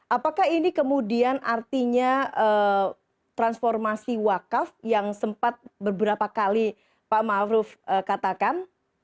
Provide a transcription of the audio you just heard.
apakah ini kemudian artinya transformasi wakaf yang sempat beberapa kali pak ma'ruf katakan